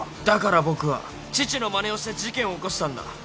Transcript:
「だから僕は父のまねをして事件を起こしたんだ」